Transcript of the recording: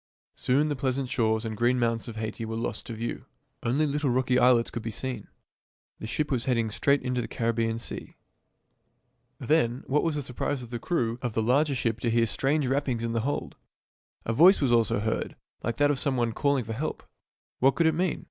Soon the pleasant shores and green mountains of Haiti were lost to view. Only little rocky islets could be seen. The ship was heading straight into the Caribbean Sea. Then, what was the surprise of the crew of the larger ship to hear strange rappings in the hold! A voice also was heard, like that of some one calling for help. What could it mean?